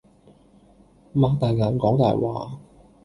擘大眼講大話